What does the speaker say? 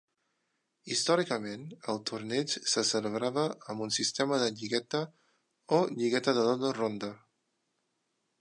Històricament, el torneig se celebrava amb un sistema de lligueta o lligueta de dobla ronda.